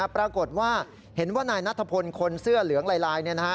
ปรากฏว่าเห็นว่านายนัทพลคนเสื้อเหลืองลาย